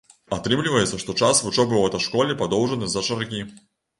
Атрымліваецца, што час вучобы ў аўташколе падоўжаны з-за чаргі.